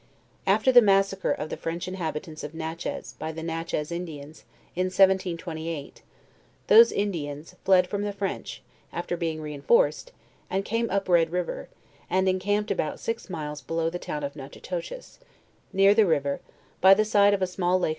After the massacre of the French inhabitants of Natchez, by the Natchez Indians, in 17 28, those Indians, fled from the French, after being reinforced, and came up red river, and encamped about six miles below the town of Natchitoches, neacthe rivex, by the/side of a small lake LEWIS AND GLARE.